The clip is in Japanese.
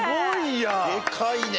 でかいね。